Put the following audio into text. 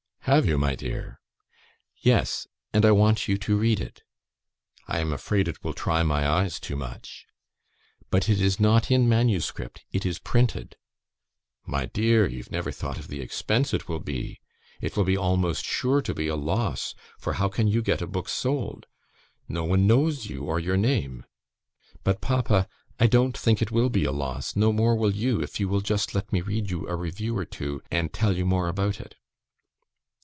"Have you, my dear?" "Yes, and I want you to read it." "I am afraid it will try my eyes too much." "But it is not in manuscript: it is printed." "My dear! you've never thought of the expense it will be! It will be almost sure to be a loss, for how can you get a book sold? No one knows you or your name." "But, papa, I don't think it will be a loss; no more will you, if you will just let me read you a review or two, and tell you more about it."